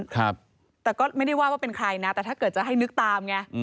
ครับแต่ก็ไม่ได้ว่าว่าเป็นใครนะแต่ถ้าเกิดจะให้นึกตามไง